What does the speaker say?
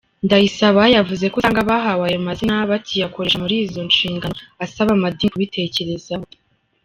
Ndayisaba yavuze ko usanga abahawe ayo mazina bakiyakoresha muri izo nshingano, asaba amadini kubitekerezaho.